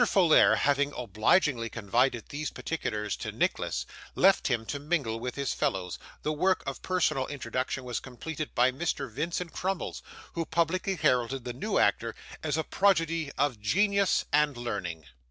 Folair having obligingly confided these particulars to Nicholas, left him to mingle with his fellows; the work of personal introduction was completed by Mr. Vincent Crummles, who publicly heralded the new actor as a prodigy of genius and learning.